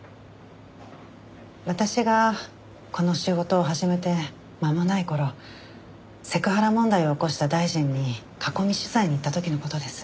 私がこの仕事を始めて間もない頃セクハラ問題を起こした大臣に囲み取材に行った時の事です。